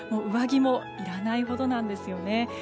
上着もいらないほどなんですよね。